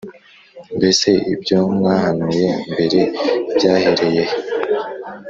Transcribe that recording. Mbese ibyo mwahanuye mbere byahereye he?